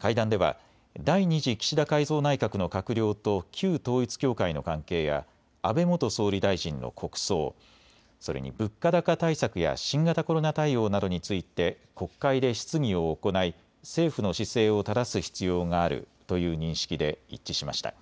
会談では第２次岸田改造内閣の閣僚と旧統一教会の関係や安倍元総理大臣の国葬、それに物価高対策や新型コロナ対応などについて国会で質疑を行い政府の姿勢をただす必要があるという認識で一致しました。